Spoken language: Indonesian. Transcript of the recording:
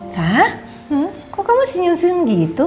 sah kok kamu masih nyusun gitu